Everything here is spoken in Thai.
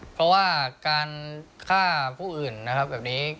เพราะว่าการฆ่าผู้อื่นนะครับแบบนี้